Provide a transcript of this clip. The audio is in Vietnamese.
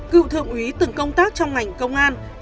cựu thượng úy từng công tác trong ngành công an